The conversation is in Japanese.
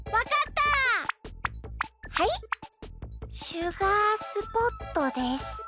シュガースポットです。